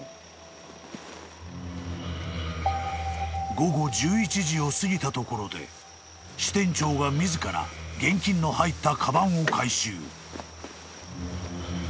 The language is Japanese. ［午後１１時を過ぎたところで支店長が自ら現金の入ったかばんを回収］